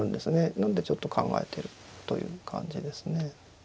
なのでちょっと考えてるという感じですね。